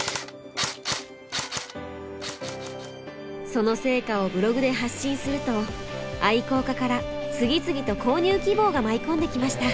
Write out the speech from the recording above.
その成果をブログで発信すると愛好家から次々と購入希望が舞い込んできました。